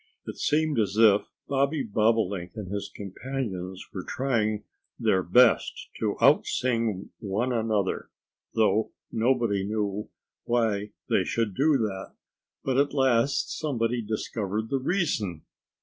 It seemed as if Bobby Bobolink and his companions were trying their best to out sing one another, though nobody knew why they should do that. But at last somebody discovered the reason.